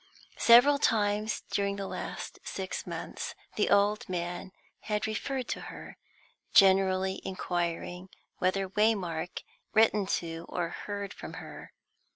Several times during the past six months the old man had referred to her, generally inquiring whether Waymark had written to or heard from her.